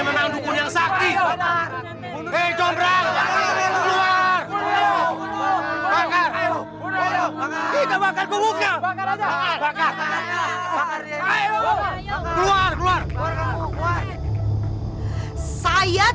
menang dukun yang sakti eh cobrang keluar kita bakar buka buka keluar keluar saya